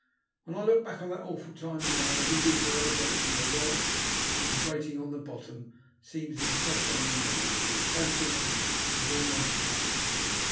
When I look back on that awful time now, every detail of the boat, from the rowlocks to the grating on the bottom, seems impressed on my memory with a faithfulness that is almost a pain.